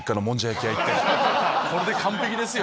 これで完璧ですよ。